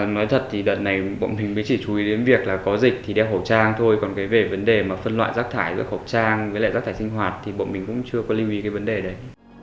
nói thật thì đợt này bọn mình mới chỉ chú ý đến việc là có dịch thì đeo khẩu trang thôi còn cái về vấn đề mà phân loại rác thải rất khẩu trang với lại rác thải sinh hoạt thì bọn mình cũng chưa có lưu ý cái vấn đề đấy